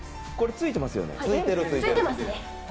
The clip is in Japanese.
ついてますね。